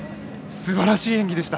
すばらしい演技でした。